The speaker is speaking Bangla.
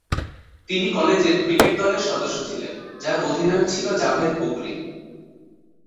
তিনি কলেজের ক্রিকেট দলের সদস্য ছিলেন যার অধিনায়ক ছিল জাভেদ বুকরি।